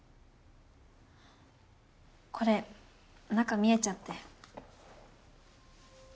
これ中見えちゃって。